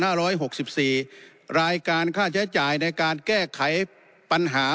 ร้อยหกสิบสี่รายการค่าใช้จ่ายในการแก้ไขปัญหา